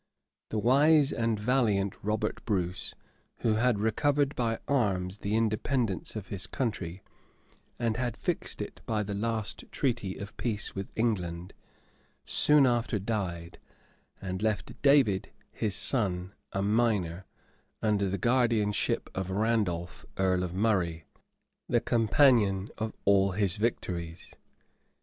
The wise and valiant Robert Bruce, who had recovered by arms the independence of his country, and had fixed it by the last treaty of peace with England, soon after died, and left David his son, a minor, under the guardianship of Randolph, earl of Murray, the companion of all his victories.